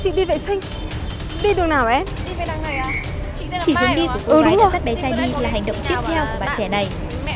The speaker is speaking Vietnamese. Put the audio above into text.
chị dùng đi của cô gái đã dắt bé trai đi là hành động tiếp theo của bà trẻ này